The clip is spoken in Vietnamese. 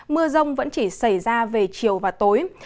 mưa rông vẫn chỉ xảy ra về chiều và tối